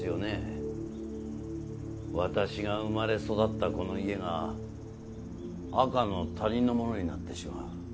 私が生まれ育ったこの家が赤の他人のものになってしまう。